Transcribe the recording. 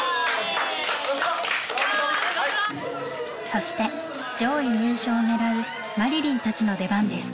そして上位入賞を狙うまりりんたちの出番です。